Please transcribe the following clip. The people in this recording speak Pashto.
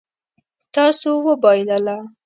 تاسو وبایلله